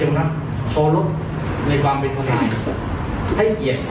ให้เกียจเขา